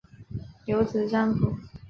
有子张缙。